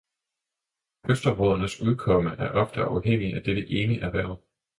Kystområdernes udkomme er ofte afhængig af dette ene erhverv.